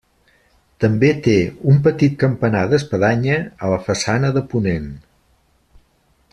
També té un petit campanar d'espadanya a la façana de ponent.